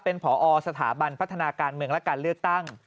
เป็นผอสถาบันพัฒนาการเมืองและการเลือกตั้ง